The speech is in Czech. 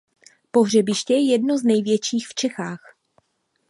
Pohřebiště je jedno z největších v Čechách.